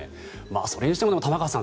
それにしても玉川さん